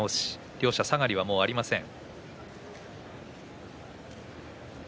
両者、下がりはもうありません。